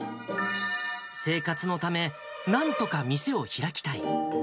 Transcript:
生活のため、なんとか店を開きたい。